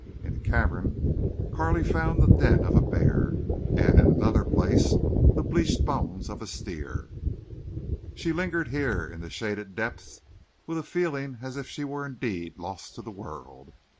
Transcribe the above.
In a cavern Carley found the den of a bear, and in another place the bleached bones of a steer. She lingered here in the shaded depths with a feeling as if she were indeed lost to the world.